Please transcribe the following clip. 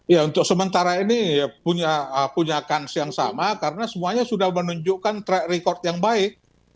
ya untuk sementara ini punya kans yang sama karena semuanya sudah menunjukkan track record yang baik